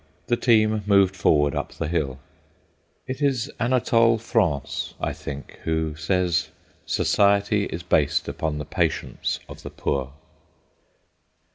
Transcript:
The team moved forward up the hill. It is Anatole France, I think, who says: Society is based upon the patience of the poor.